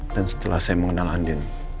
dan setelah saya mengenal andi